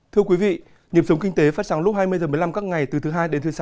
thưa quý vị nhiệm sống kinh tế phát sáng lúc hai mươi h một mươi năm các ngày từ thứ hai đến thứ sáu